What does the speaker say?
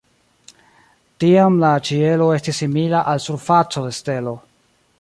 Tiam la ĉielo estis simila al surfaco de stelo.